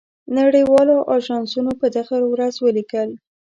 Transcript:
نړۍ والو آژانسونو په دغه ورځ ولیکل.